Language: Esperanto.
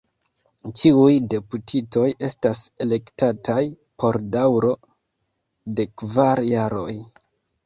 Ĉiuj deputitoj estas elektataj por daŭro de kvar jaroj.